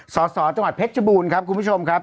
สอสอร์จังหวัดเพชรบูรณ์ครับ